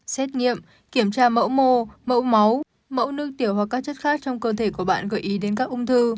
xét nghiệm kiểm tra mẫu mô mẫu máu mẫu nước tiểu hoặc các chất khác trong cơ thể của bạn gợi ý đến các ung thư